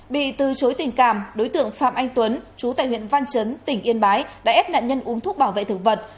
bị từ chối tình cảm đối tượng phạm anh tuấn chú tại huyện văn chấn tỉnh yên bái đã ép nạn nhân uống thuốc bảo vệ thực vật